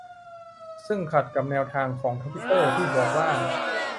ซึ่งขัดกับแนวทางของทวิตเตอร์ที่บอกว่า